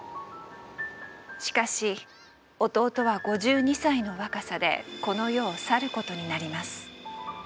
しかし弟は５２歳の若さでこの世を去ることになります。